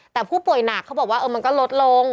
แต่ผู้ป่วยหนักเขาบอกว่ามันก็ลดลง